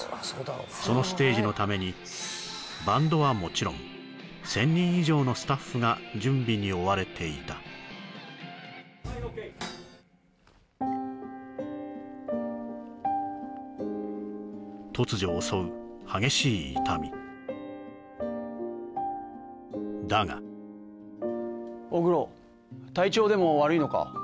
そのステージのためにバンドはもちろん１０００人以上のスタッフが準備に追われていた突如襲う激しい痛みだが大黒体調でも悪いのか？